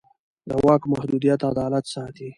د واک محدودیت عدالت ساتي